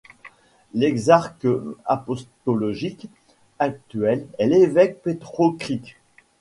L'exarque apostolique actuel est l'évêque Petro Kryk.